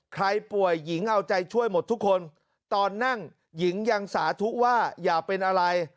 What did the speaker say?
ใครป่วยหญิงเอาใจช่วยหมดทุกคนตอนนั่งหญิงยังสาธุว่าอย่าเป็นอะไร